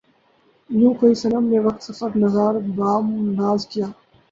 یوں کوئے صنم میں وقت سفر نظارۂ بام ناز کیا